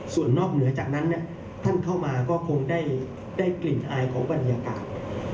ส่วนนอกเหนือจากนั้นท่านเข้ามาก็คงได้กลิ่นอายของบรรยากาศ